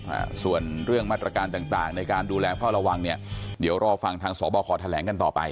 อ่าส่วนเรื่องมาตรการต่างต่างในการดูแลเฝ้าระวังเนี้ยเดี๋ยวรอฟังทางสบคแถลงกันต่อไป